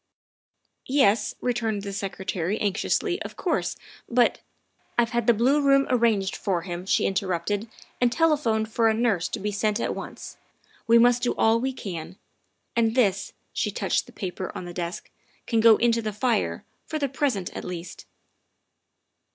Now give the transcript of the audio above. " Yes," returned the Secretary, anxiously, " of course. But " I've had the blue room arranged for him," she in terrupted, " and telephoned for a nurse to be sent at once. We must do all we can. And this" she touched the paper on the desk " can go into the fire, for the present at least."